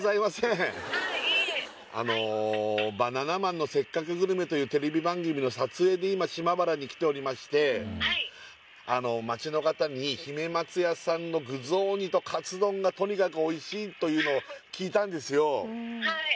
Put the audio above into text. あの「バナナマンのせっかくグルメ！！」というテレビ番組の撮影で今島原に来ておりましてあの町の方に姫松屋さんの具雑煮とカツ丼がとにかくおいしいというのを聞いたんですよ